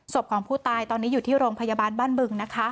ศพของผู้ตายอยู่ที่โรงพยาบาลบ้านเบื้อง